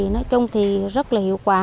nói chung thì rất là hiệu quả